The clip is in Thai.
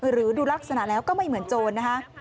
หรือดูลักษณะแล้วก็ไม่เหมือนโจรนะคะ